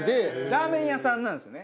ラーメン屋さんなんですよね？